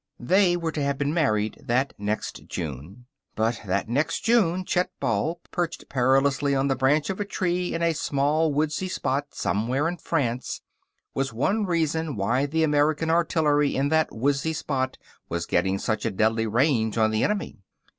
They were to have been married that next June. But that next June Chet Ball, perched perilously on the branch of a tree in a small woodsy spot somewhere in France, was one reason why the American artillery in that same woodsy spot was getting such a deadly range on the enemy.